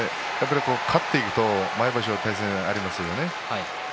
勝っていると毎場所対戦がありますよね。